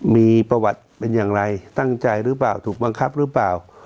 มีประวัติเป็นอย่างไรตั้งใจหรือเปล่าถูกบังคับหรือเปล่า